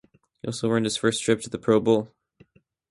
He also earned his first trip to the Pro Bowl.